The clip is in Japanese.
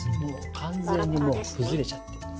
完全にもう崩れちゃってます。